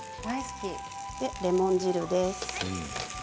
レモン汁です。